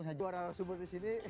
sebuah sebuah sumber disini